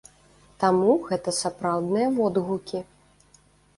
Таму, гэта сапраўдныя водгукі.